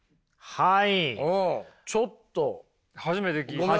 はい。